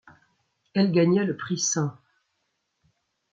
Elle gagna le prix St.